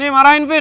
nih marahin vin